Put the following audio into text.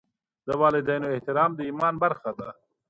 د والدینو احترام د ایمان برخه ده.